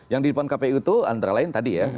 yang di depan kpu itu antara lain tadi ya